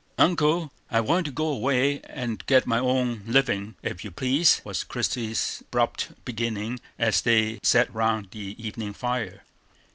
"Uncle, I want to go away, and get my own living, if you please," was Christie's abrupt beginning, as they sat round the evening fire.